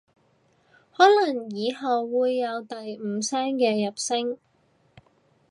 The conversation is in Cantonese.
可能以後會有第五聲嘅入聲